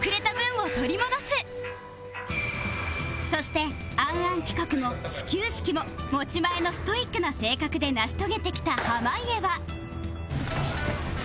そして『ａｎａｎ』企画も始球式も持ち前のストイックな性格で成し遂げてきた濱家は